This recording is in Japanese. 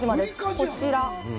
こちら。